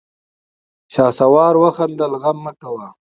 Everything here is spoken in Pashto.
شهسوار وخندل: غم مه کوه!